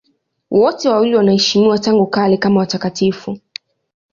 Wote wawili wanaheshimiwa tangu kale kama watakatifu.